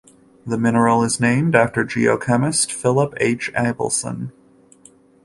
The mineral is named after geochemist Philip H. Abelson.